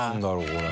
これ。